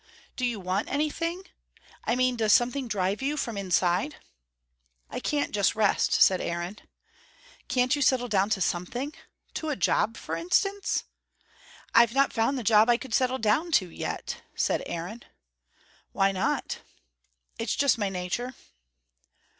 "Do you want anything? I mean, does something drive you from inside?" "I can't just rest," said Aaron. "Can't you settle down to something? to a job, for instance?" "I've not found the job I could settle down to, yet," said Aaron. "Why not?" "It's just my nature."